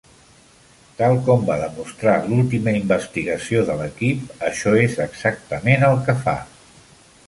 Tal com va demostrar l'última investigació de l'equip, això és exactament el que fa.